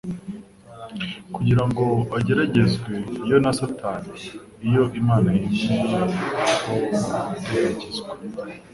kugira ngo,: ageragerezwe.yo na Satani. Iyo Imana yemeye ko tugeragezwa,